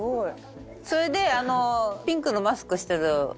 それであのピンクのマスクしてる。